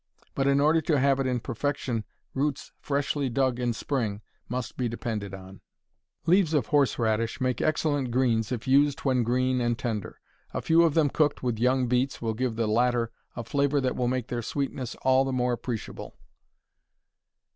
But in order to have it in perfection roots freshly dug in spring must be depended on. Leaves of horseradish make excellent greens if used when green and tender. A few of them cooked with young beets will give the latter a flavor that will make their sweetness all the more appreciable.